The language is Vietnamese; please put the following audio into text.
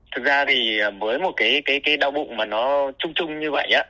thực ra thì với một cái đau bụng mà nó trung trung như vậy